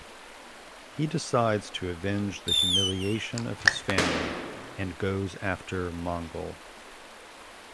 He decides to avenge the humiliation of his family and goes after Mangal.